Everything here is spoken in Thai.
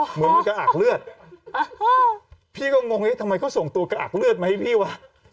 เหมือนมีกระอักเลือดพี่ก็งงทำไมเขาส่งตัวกระอักเลือดมาให้พี่วะ